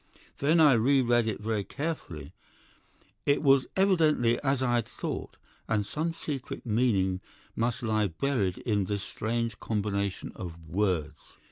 Then I reread it very carefully. It was evidently as I had thought, and some secret meaning must lie buried in this strange combination of words.